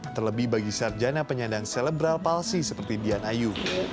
terlebih bagi sarjana penyandang selebral palsi seperti dian ayu